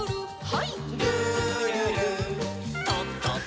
はい。